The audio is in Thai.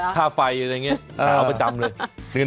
ค่าไฟอะไรอย่างนี้แต่เอาประจำเลย